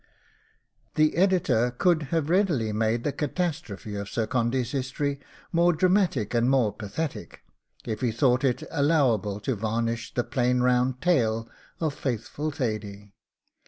The Editor could have readily made the catastrophe of Sir Condy's history more dramatic and more pathetic, if he thought it allowable to varnish the plain round tale of faithful Thady.